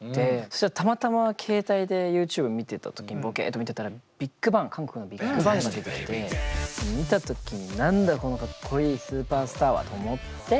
そしたらたまたま携帯でＹｏｕＴｕｂｅ見てた時ボケっと見てたら韓国のＢＩＧＢＡＮＧが出てきて見た時に「何だこのかっこいいスーパースターは！？」と思って。